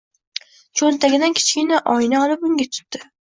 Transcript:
Cho`ntagidan kichkina oyna olib unga tutdi